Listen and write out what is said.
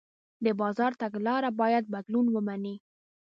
د بازار تګلاره باید بدلون ومني.